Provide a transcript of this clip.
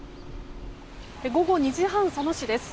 午後２時半、佐野市です。